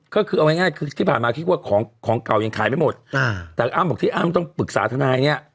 ก็คือเอาง่ายคือที่ผ่านมาคิดว่าของของเก่ายังขายไม่หมดอ่าแต่อ้ำบอกที่อ้ำต้องปรึกษาทนายเนี่ย